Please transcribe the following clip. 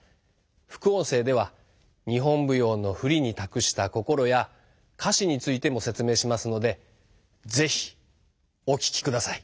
副音声では日本舞踊の振りに託した心や歌詞についても説明しますので是非お聞きください。